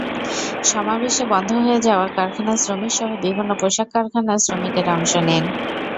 সমাবেশে বন্ধ হয়ে যাওয়া কারখানার শ্রমিকসহ বিভিন্ন পোশাক কারখানার শ্রমিকেরা অংশ নেন।